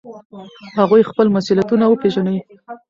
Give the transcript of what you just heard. هغوی خپل مسؤلیتونه وپیژني.